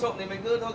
công an phòng